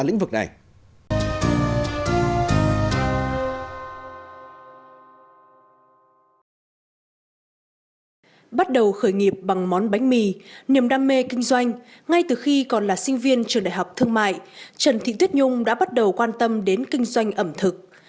ngay từ khi còn là sinh viên trường đại học thương mại trần thị tuyết nhung đã bắt đầu quan tâm đến kinh doanh ẩm thực